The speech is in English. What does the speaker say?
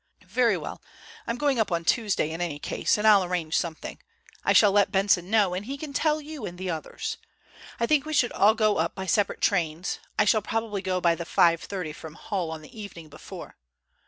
"Very well, I'm going up on Tuesday in any case, and I'll arrange something. I shall let Benson know, and he can tell you and the others. I think we should all go up by separate trains. I shall probably go by the 5.3 from Hull on the evening before.